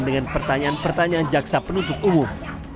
dengan pertanyaan pertanyaan jaksa penuntut umum